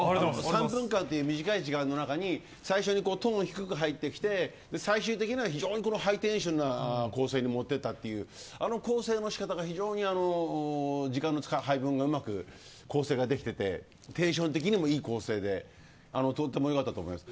３分間という短い時間の中に最終にトーン低く入ってきて最終的には非常にハイテンションな構成に持っていったといあの構成の仕方が非常に時間の配分がうまく構成ができていてテンション的にもいい構成でとてもよかったです。